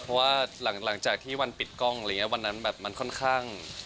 เพราะว่าหลังจากที่วันปิดกล้องวันนั้นมันค่อนข้าง